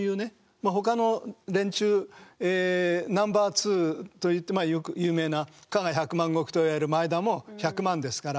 まぁほかの連中ナンバー２と言って有名な加賀百万石といわれる前田も１００万ですから。